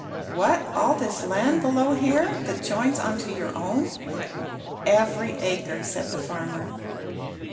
"What, all this land below here, that joins on to your own?" "Every acre," said the farmer.